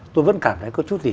tôi vẫn cảm thấy có chút gì